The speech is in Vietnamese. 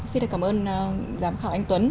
xin cảm ơn giám khảo anh tuấn